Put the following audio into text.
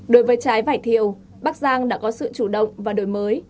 đối với trái vải thiều bắc giang đã có sự chủ động và đổi mới